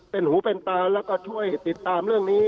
เป็นหูเป็นตาแล้วก็ช่วยติดตามเรื่องนี้